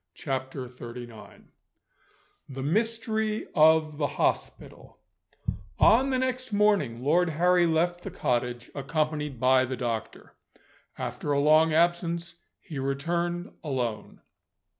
CHAPTER XXXIX THE MYSTERY OF THE HOSPITAL ON the next morning Lord Harry left the cottage, accompanied by the doctor. After a long absence, he returned alone.